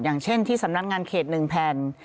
อย่างเช่นที่สำนักงานเขต๑แผ่น